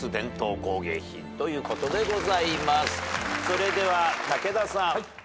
それでは武田さん。